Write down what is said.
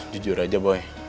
jujur aja boy